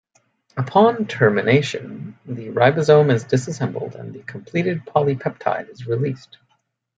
Upon Termination, the ribosome is disassembled and the completed polypeptide is released.